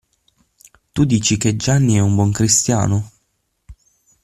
Tu dici che Gianni è un buon cristiano?